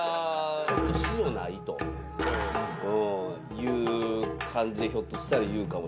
「塩ない？」という感じでひょっとしたら言うかも。